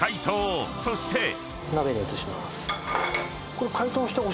［そして］